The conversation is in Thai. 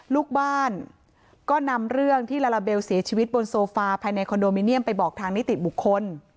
ลูกบ้านก็นำเรื่องที่ลาลาเบลเสียชีวิตบนโซฟาภายในคอนโดมิเนียมไปบอกทางนิติบุคคล